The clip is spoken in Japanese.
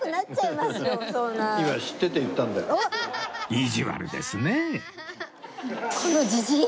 意地悪ですね